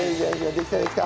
できたできた。